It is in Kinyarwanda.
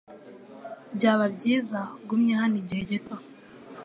Byaba byiza ugumye hano igihe gito.